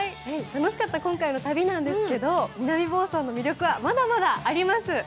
楽しかった今回の旅なんですけれど南房総の魅力はまだまだあります。